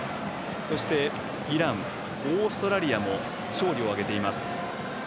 そしてイラン、オーストラリアも勝利を挙げています。